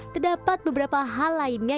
terdapat beberapa hal lainnya